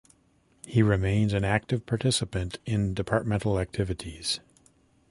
He remains an active participant in Departmental activities.